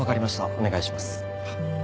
お願いします。